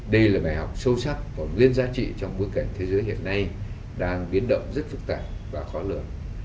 đây là bài học sâu sắc có nguyên giá trị trong bối cảnh thế giới hiện nay đang biến động rất phức tạp và khó lượng